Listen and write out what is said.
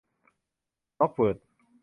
ร้อกเวิธ